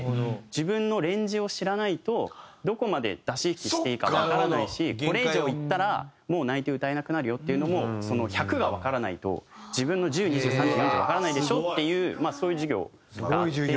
自分のレンジを知らないとどこまで出し引きしていいかわからないしこれ以上いったらもう泣いて歌えなくなるよっていうのもその１００がわからないと自分の１０２０３０４０わからないでしょ」っていうまあそういう授業があって。